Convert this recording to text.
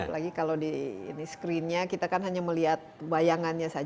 apalagi kalau di screennya kita kan hanya melihat bayangannya saja